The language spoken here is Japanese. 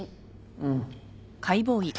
うん。